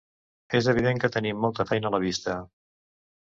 És evident que tenim molta feina a la vista.